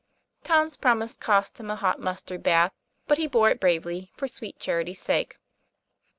Tom's promise cost him a hot mustard bath, but he bore it bravely for sweet charity's sake.